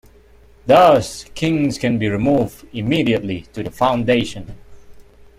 Thus, kings can be removed immediately to the Foundation.